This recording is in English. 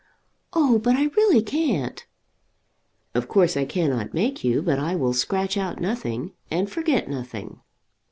"Oh, but I really can't." "Of course I cannot make you, but I will scratch out nothing, and forget nothing."